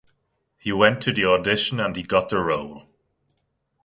He went to the audition and he got the role.